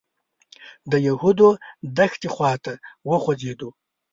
د یهودو دښتې خوا ته وخوځېدو.